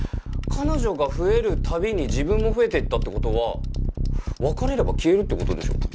彼女が増えるたびに自分も増えてったってことは別れれば消えるってことでしょ。